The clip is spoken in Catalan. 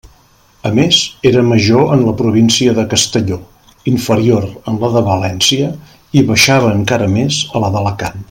A més, era major en la província de Castelló, inferior en la de València i baixava encara més a la d'Alacant.